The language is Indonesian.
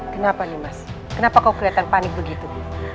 kenapa nimas kenapa kau kelihatan panik begitu